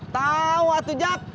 tau atuh jack